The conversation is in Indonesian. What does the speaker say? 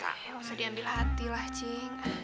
ya lo bisa diambil hati lah cing